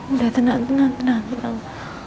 udah tenang tenang tenang